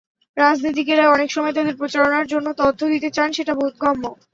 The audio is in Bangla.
রাজনীতিকেরা অনেক সময় তাঁদের প্রচারণার জন্য তথ্য দিতে চান, সেটা বোধগম্য।